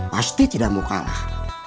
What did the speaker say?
pasti tidak mau kalah